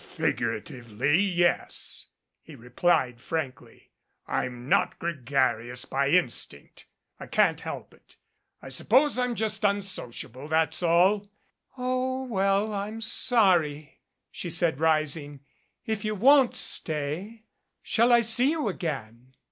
"Figuratively, yes," he replied frankly. "I'm not gregarious by instinct. I can't help it. I suppose I'm just unsociable, that's all." "Oh, well, I'm sorry," she said, rising. "If you won't stay shall I see you again?"